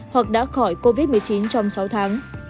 hoặc đã khỏi covid một mươi chín trong sáu tháng